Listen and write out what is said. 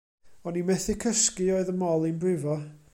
On i methu cysgu, oedd 'y mol i'n brifo.